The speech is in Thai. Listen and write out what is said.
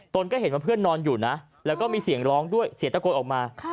ก็เห็นว่าเพื่อนนอนอยู่นะแล้วก็มีเสียงร้องด้วยเสียงตะโกนออกมา